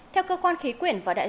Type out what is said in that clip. theo cơ quan khí quyển và đại dịch